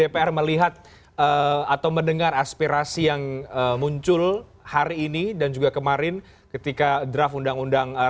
dpr melihat atau mendengar aspirasi yang muncul hari ini dan juga kemarin ketika draft undang undang